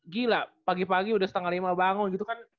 gila pagi pagi udah setengah lima bangun gitu kan